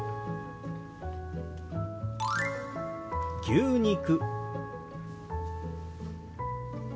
「牛肉」。